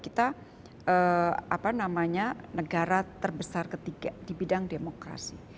kita apa namanya negara terbesar ketiga di bidang demokrasi